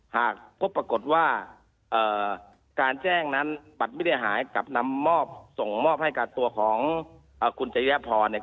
หากพบปรากฏว่าการแจ้งนั้นบัตรไม่ได้หายกับนำมอบส่งมอบให้กับตัวของคุณจริยพรเนี่ย